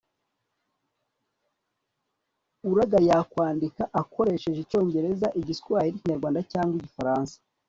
uraga yakwandika akoresheje icyongereza, igiswahiri, ikinyarwanda cyangwa igifaransa